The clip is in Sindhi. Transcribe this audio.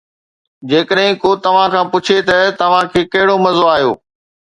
جيڪڏهن ڪو توهان کان پڇي ته، توهان کي ڪهڙو مزو آيو؟